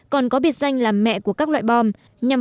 còn có biệt danh là mẹ của các loại bom